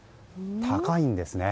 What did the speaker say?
高いんですね。